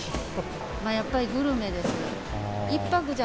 やっぱりグルメです。